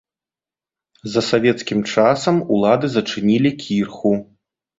За савецкім часам улады зачынілі кірху.